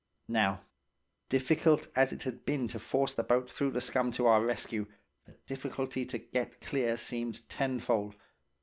"Now, difficult as it had been to force the boat through the scum to our rescue, the difficulty to get clear seemed tenfold.